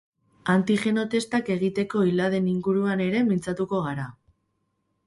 Antigeno testak egiteko iladen inguruan ere mintzatuko gara.